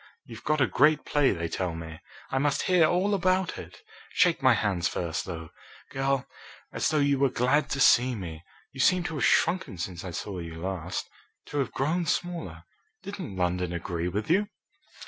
You've got a great play, they tell me. I must hear all about it. Shake my hands first, though, girl, as though you were glad to see me. You seem to have shrunken since I saw you last to have grown smaller. Didn't London agree with you?"